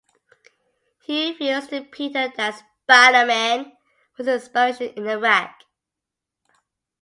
He reveals to Peter that Spider-Man was his inspiration in Iraq.